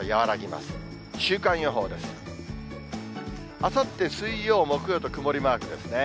あさって水曜、木曜と曇りマークですね。